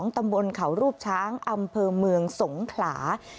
ตำบลเขารูปช้างอำเภอเมืองสงขลา